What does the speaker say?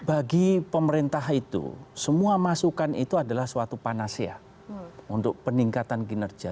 bagi pemerintah itu semua masukan itu adalah suatu panasia untuk peningkatan kinerja